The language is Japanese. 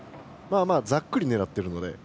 ざっくり狙ってるので。